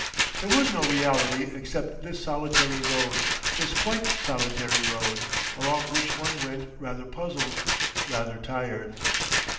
There was no reality except this solitary road, this quite solitary road, along which one went rather puzzled, rather tired....